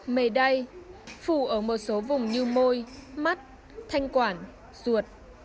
mề đay phủ ở một số vùng như môi mắt thanh quản ruột